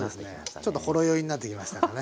ちょっとほろ酔いになってきましたかね。